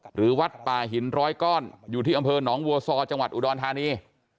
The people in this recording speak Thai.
หรือวัดป่าหินร้อยก้อนอยู่ที่อำเภอหนองวัวซอจังหวัดอุดรธานี